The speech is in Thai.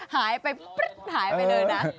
หายไปปริ๊บหายไปเลยนะ